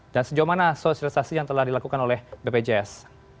dan sejauh mana sosialisasi yang telah dilakukan oleh bpjs